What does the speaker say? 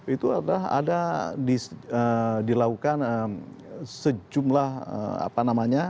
itu adalah ada dilakukan sejumlah apa namanya